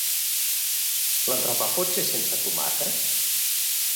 L'entrepà pot ser sense tomàquet?